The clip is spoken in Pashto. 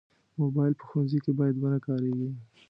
موبایل په ښوونځي کې باید ونه کارېږي.